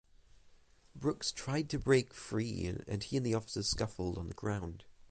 Brooks tried to break free and he and the officers scuffled on the ground.